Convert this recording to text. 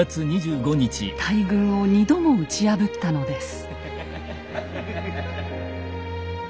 大軍を２度も打ち破ったのです。